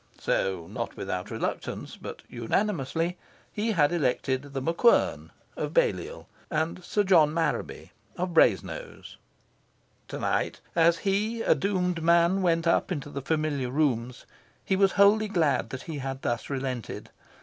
So, not without reluctance, but unanimously, he had elected The MacQuern, of Balliol, and Sir John Marraby, of Brasenose. To night, as he, a doomed man, went up into the familiar rooms, he was wholly glad that he had thus relented.